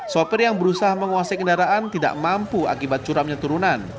sopir yang berusaha menguasai kendaraan tidak mampu akibat curamnya turunan